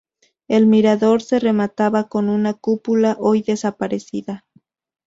El mirador se remataba con una cúpula hoy desaparecida.